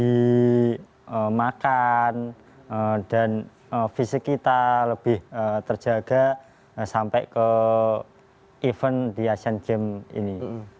dimakan dan fisik kita lebih terjaga sampai ke event di asian games ini